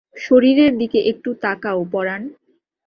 শরীরের দিকে একটু তাকাও পরান।